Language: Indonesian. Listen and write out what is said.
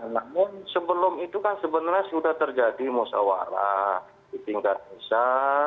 namun sebelum itu kan sebenarnya sudah terjadi musawarah di tingkat desa